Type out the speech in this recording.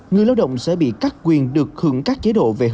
người lao động sẽ bị cắt quyền được hưởng các chế độ về hưu